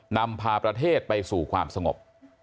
นำพาประเทศไปสู่ความสงบ